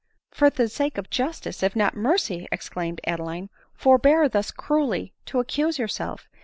" For the sake of justice, if not of mercy," exclaimed Adeline, " forbear thus cruelly to accuse yourself.